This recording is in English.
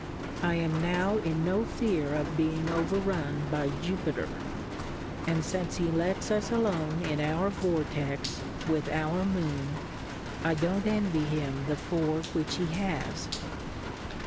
I am now in no fear of being over run by Jupiter ; and fince he lets us a lone in our Vortex, with our Moon, I don't envy him the Four which he has.